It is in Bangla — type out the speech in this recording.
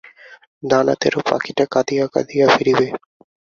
ডানা তেড়ো পাখিটা কাঁদিয়া কাঁদিয়া ফিরিবে।